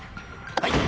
はい！